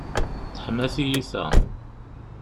Teḥma tiyita.